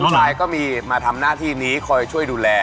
ชายก็มีมาทำหน้าที่นี้คอยช่วยดูแล